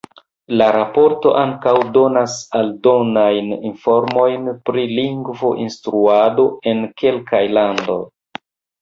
La raporto ankaŭ donas aldonajn informojn pri lingvo-instruado en kelkaj landoj.